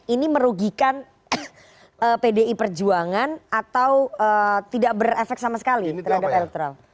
ini merugikan pdi perjuangan atau tidak berefek sama sekali terhadap elektoral